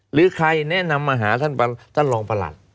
หรือใครแนะนำมาหาท่านรองประหลัด